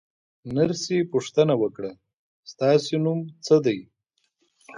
نرسې پوښتنه وکړه: ستاسې نوم څه دی؟